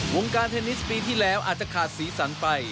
วงการเทนนิสปีที่แล้วอาจจะขาดสีสันไป